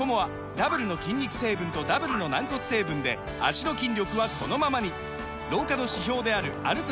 ダブルの筋肉成分とダブルの軟骨成分で脚の筋力はこのままに老化の指標である歩く